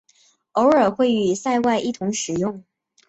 偶尔会与塞外一同使用。